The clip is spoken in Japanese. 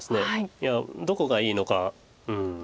いやどこがいいのかうん。